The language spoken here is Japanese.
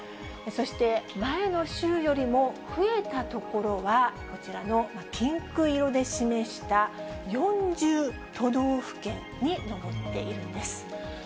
そして前の週よりも増えた所は、こちらのピンク色で示した４０都道府県に上っているんです。